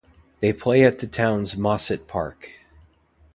They play at the town's Mosset Park.